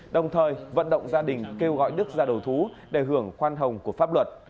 đồng thời vận động gia đình kêu gọi đức ra đầu thú để hưởng khoan hồng của pháp luật